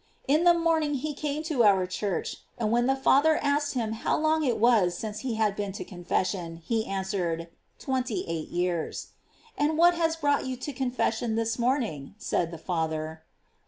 In the morning he came to our church, and when the father asked him how long it was since he had been to confession, he answered: "Twenty eight years." "And what has brought you to confession this morning?" said the father.